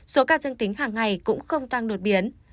số ca dân tính hàng ngày cũng không tăng đột biến